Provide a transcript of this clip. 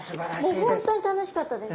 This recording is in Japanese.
もう本当に楽しかったです。